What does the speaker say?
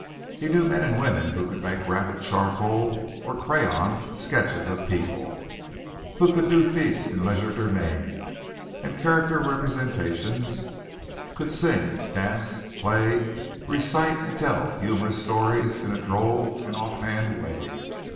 He knew men and women who could make rapid charcoal or crayon sketches of people, could do feats in legerdemain, and character representation, could sing, dance, play, recite and tell humorous stories in a droll and off hand way.